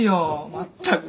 まったく。